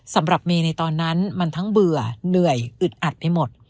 สำหรับเมย์ในตอนนั้นมันทั้งเบื่อเหนื่อยอึดอัดไปหมด